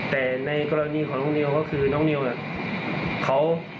แต่ในกรณีของน้องนิวก็คือน้องนิวเนี่ยเขา